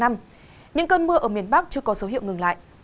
những cơn mưa ở miền bắc chưa có dấu hiệu ngừng lại